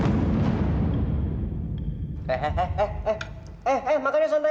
eh eh eh eh eh eh eh makannya santai